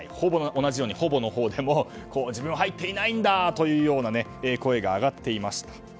同じように「ほぼ」のほうでも自分は入っていないんだという声が上がっていました。